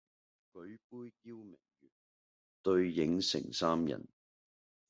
舉杯邀明月，對影成三人